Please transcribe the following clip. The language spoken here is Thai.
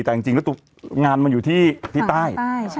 แต่จริงแล้วตัวงานมันอยู่ที่ใต้